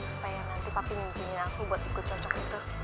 supaya nanti papi nginjinin aku buat ikut cocok itu